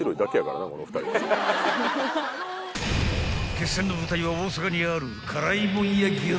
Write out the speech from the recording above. ［決戦の舞台は大阪にある］